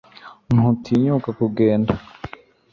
ntutinyuka kugenda